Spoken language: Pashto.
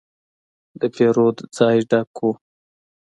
د پیرود ځای ډک و.